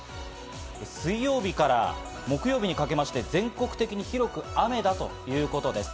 水曜日から木曜日にかけて全国的に広く雨だということです。